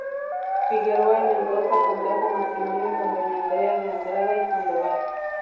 Figueroa y Mendoza contrajo matrimonio con doña Andrea de Andrada y Sandoval.